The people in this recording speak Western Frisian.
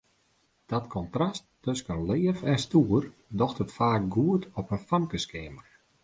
Dat kontrast tusken leaf en stoer docht it faak goed op in famkeskeamer.